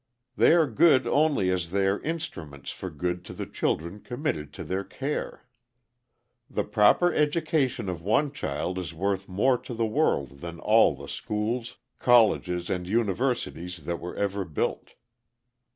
They are good only as they are instruments for good to the children committed to their care. The proper education of one child is worth more to the world than all the schools, colleges, and universities that were ever built.